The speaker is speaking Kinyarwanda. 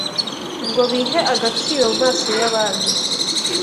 Ngo bihe agaciro Mu maso y’abandi